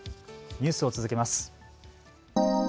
ニュースを続けます。